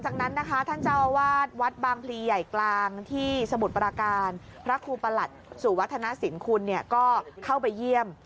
ทุกอย่างเลยครับการเรียนก็เสียไงครับสมุดนั้นก็เสร็จอืม